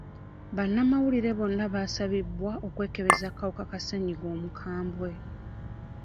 Bannamawulire bonna baasabibwa okwekebeza akawuka ka ssenyiga omukambwe.